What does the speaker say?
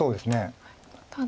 ただ。